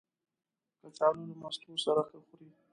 کچالو له مستو سره ښه خوري